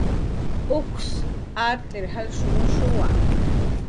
Uksw art'ir jalshunushsa